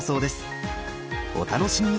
お楽しみに！